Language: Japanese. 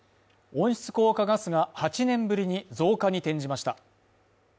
温室効果ガスが８年ぶりに増加に転じました。